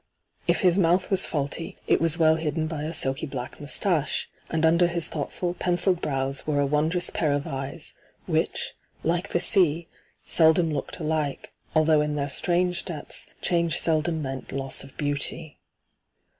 If his mouth was faulty, it was well hidden by a silky black moustache ; and under his thought ful, pencilled brows were a wondrous pair of eyes, which, like the sea, seldom looked alike, altbongh in their strange depths change seldom meant loss of beauty.